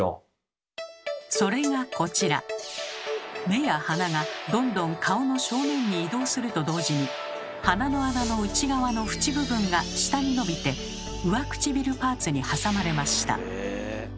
目や鼻がどんどん顔の正面に移動すると同時に鼻の穴の内側の縁部分が下に伸びて上唇パーツに挟まれました。